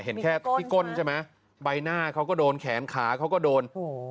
เห็นแค่ที่ก้นใช่ไหมใบหน้าเขาก็โดนแขนขาเขาก็โดนโอ้โห